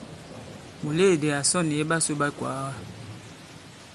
Mùleèdi à sɔ nì iɓasū ɓa ikwàaga.